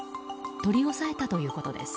取り押さえたということです。